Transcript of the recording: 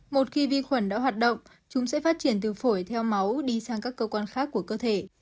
một khi vi khuẩn đã hoạt động chúng sẽ phát triển từ phổi theo máu đi sang các cơ quan khác của cơ thể